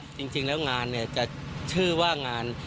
จริงแล้วงานเนี่ยจะชื่อว่างาน